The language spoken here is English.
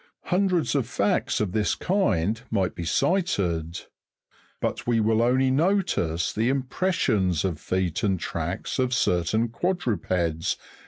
Hundreds of facts of this kind might be cited ; but we will only notice tho impressions of feet and tracks of certain quadrvpeds (Jig.